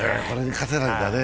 これに勝てないと。